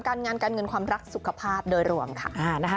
การงานการเงินความรักสุขภาพโดยรวมค่ะ